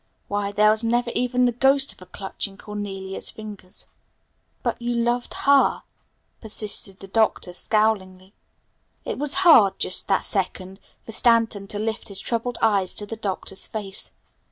Why, there never was even the ghost of a clutch in Cornelia's fingers." "But you loved her," persisted the Doctor scowlingly. It was hard, just that second, for Stanton to lift his troubled eyes to the Doctor's face.